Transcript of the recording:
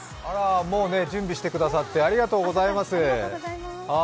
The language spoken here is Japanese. もう準備してくださって、ありがとうございます。